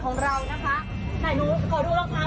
ขอดูรองเท้าหน่อยดูเร็วรองเท้าอ่ะ